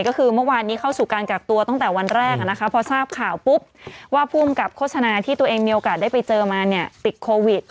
ก็คือเมื่อวานนี้เข้าสู่การกักตัวตั้งแต่วันแรกพอทราบข่าวปุ๊บว่าภูมิกับโฆษณาที่ตัวเองมีโอกาสได้ไปเจอมาเนี่ยติดโควิด